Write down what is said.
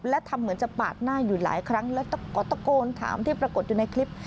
และทำเหมือนจะปาดหน้าอยู่หลายครั้งแล้วก็ตะโกนถามที่ปรากฏอยู่ในคลิป